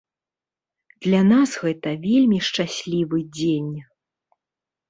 Для нас гэта вельмі шчаслівы дзень.